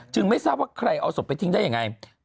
ไม่ทราบว่าใครเอาศพไปทิ้งได้ยังไง